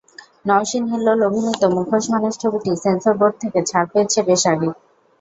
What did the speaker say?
নওশীন-হিল্লোল অভিনীত মুখোশ মানুষ ছবিটি সেন্সর বোর্ড থেকে ছাড় পেয়েছে বেশ আগেই।